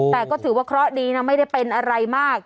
แต่ก็ถือว่าเคราะห์ดีนะไม่ได้เป็นอะไรมาก